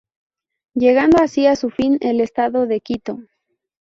Llegando así a su fin el Estado de Quito.